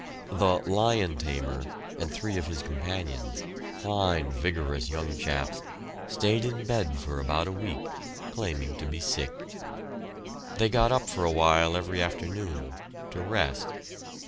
The "lion tamer" and three of his companions, fine, vigorous young chaps, stayed in bed for about a week, claiming to be sick. They got up for a while every afternoon to rest.